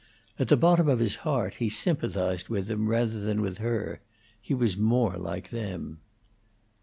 At the bottom of his heart he sympathized with them rather than with her; he was more like them.